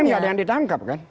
gak ada yang ditangkap kan